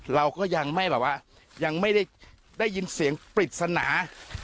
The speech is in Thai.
เราก็ยังไม่ได้ยินเสียงปริศนา